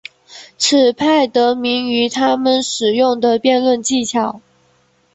此派得名于他们使用的辩论技巧。